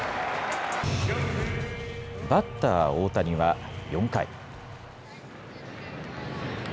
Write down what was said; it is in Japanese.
バッター、大谷は４回。